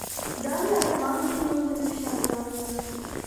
دا مې ارمان دے نور مې نشته ارمانونه